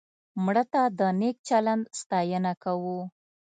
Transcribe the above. مړه ته د نیک چلند ستاینه کوو